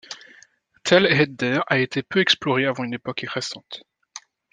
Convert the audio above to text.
Tell ed-Dêr a été peu exploré avant une époque récente.